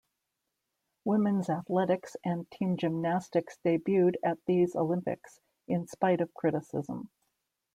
Women's athletics and team gymnastics debuted at these Olympics, in spite of criticism.